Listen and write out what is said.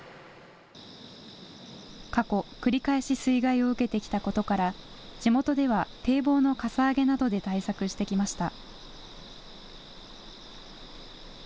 過去、繰り返し水害を受けてきたことから地元では堤防のかさ上げなどで対策してきました。